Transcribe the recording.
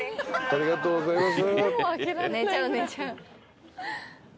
ありがとうございます。